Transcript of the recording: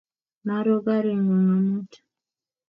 Maro karit ng'ung' amut